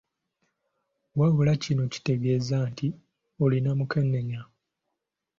Wabula kino tekitegeeza nti olina mukenenya.